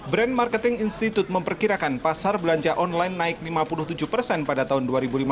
brand marketing institute memperkirakan pasar belanja online naik lima puluh tujuh persen pada tahun dua ribu lima belas